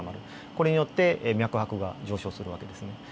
これによって脈拍が上昇する訳ですね。